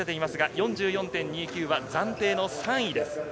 ４４．２９は暫定３位です。